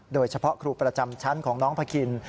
โดยเฉพาะครูประจำชั้นของน้องพะคิน